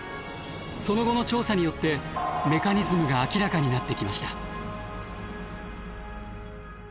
その後の調査によってメカニズムが明らかになってきました。